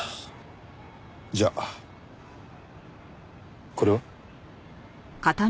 じゃあこれは？